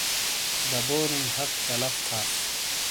دبونئیی حق تلف تھاس۔